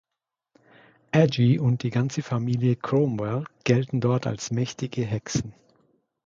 Aggie und die ganze Familie Cromwell gelten dort als mächtige Hexen.